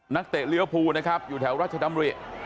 เตะเลี้ยวภูนะครับอยู่แถวราชดำริ